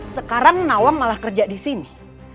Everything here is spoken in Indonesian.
sekarang nawang malah kerja disini